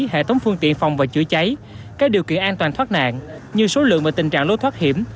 hệ thống phương tiện phòng và chữa cháy các điều kiện an toàn thoát nạn như số lượng và tình trạng lối thoát hiểm